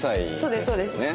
そうですそうです。